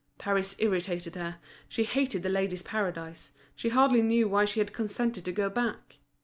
Paris irritated her, she hated The Ladies' Paradise, she hardly knew why she had consented to go back.